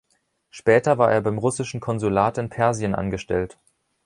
Später war er beim russischen Konsulat in Persien angestellt.